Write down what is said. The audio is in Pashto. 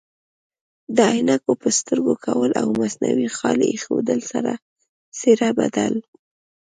د عینکو په سترګو کول او مصنوعي خال ایښودلو سره څیره بدل